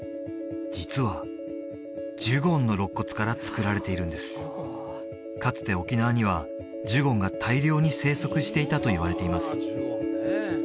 実はジュゴンのろっ骨から作られているんですかつて沖縄にはジュゴンが大量に生息していたといわれています